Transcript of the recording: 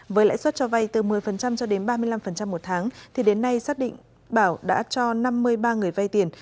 với lãi suất cho vay từ một mươi cho đến ba mươi năm một tháng thì đến nay xác định bảo đã cho năm mươi ba người vay tiền